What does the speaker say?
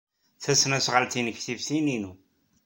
Tasnasɣalt-nnek tif tin-inu.